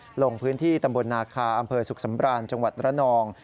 จากพื้นที่ตำบลนาคาอำเภอศุกร์สำบรรณจังหวัดระนอง